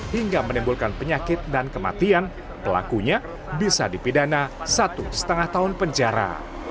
hingga menimbulkan penyakit dan kematian pelakunya bisa dipidana satu lima tahun penjara